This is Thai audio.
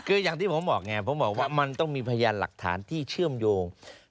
คืออย่างที่ผมบอกไงผมบอกว่ามันต้องมีพยานหลักฐานที่เชื่อมโยง